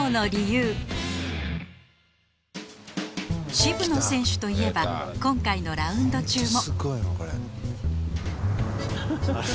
渋野選手といえば今回のラウンド中も